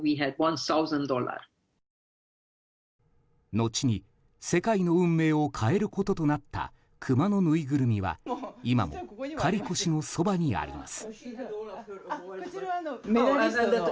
後に、世界の運命を変えることとなったクマのぬいぐるみは今もカリコ氏のそばにあります。